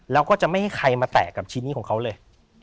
แล้วก็จะไม่ให้ใครมาแตกกับชิ้นนี้ของเขาเลย